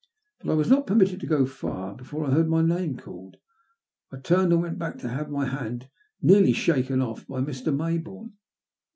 But I was not permitted to go far before I heard my name called. I turned, and went back to have my hand nearly shaken off by Mr. Mayboume.